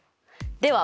では